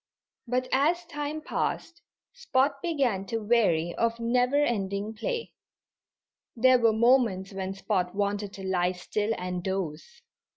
But as time passed Spot began to weary of never ending play. There were moments when Spot wanted to lie still and doze.